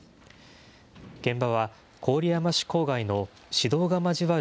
現場は郡山市郊外の市道が交わる